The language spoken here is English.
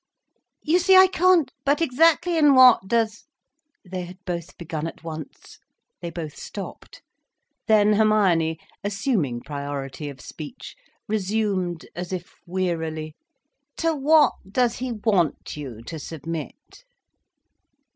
"You see I can't—" "But exactly in what does—" They had both begun at once, they both stopped. Then, Hermione, assuming priority of speech, resumed as if wearily: "To what does he want you to submit?"